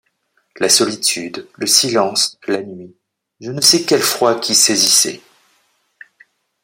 La solitude, le silence, la nuit ; je ne sais quel froid qui saisissait.